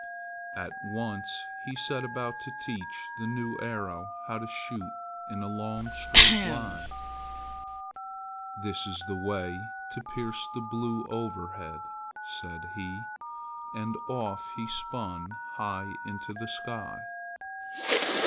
At once he set about to teach the new arrow how to shoot in a long straight line. "This is the way to pierce the Blue overhead," said he; and off he spun high into the sky.